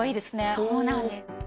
そうなんです。